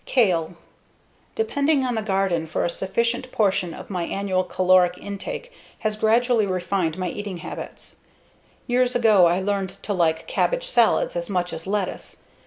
Kale Depending on the garden for a significant portion of my annual caloric intake has gradually refined my eating habits. Years ago I learned to like cabbage salads as much as lettuce.